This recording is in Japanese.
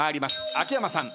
秋山さん